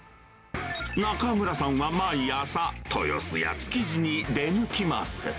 中村さんは毎朝、豊洲や築地に出向きます。